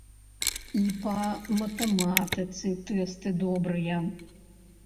І па матэматыцы тэсты добрыя.